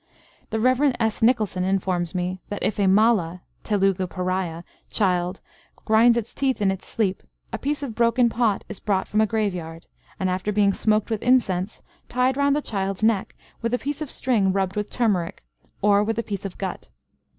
The Rev. S. Nicholson informs me that, if a Mala (Telugu Pariah) child grinds its teeth in its sleep, a piece of a broken pot is brought from a graveyard, and, after being smoked with incense, tied round the child's neck with a piece of string rubbed with turmeric, or with a piece of gut.